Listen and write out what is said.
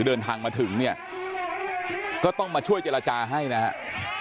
เดินทางมาถึงเนี่ยก็ต้องมาช่วยเจรจาให้นะครับ